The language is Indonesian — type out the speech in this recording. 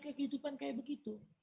ke kehidupan kayak begitu